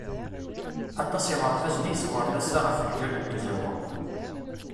Aṭas iɣerbazen i isekkṛen assa ɣef lǧal n tzawwa.